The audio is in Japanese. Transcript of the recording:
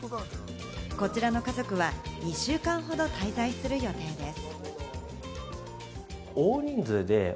こちらの家族は２週間ほど滞在する予定です。